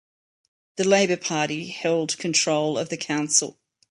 The Labour Party held control of the council.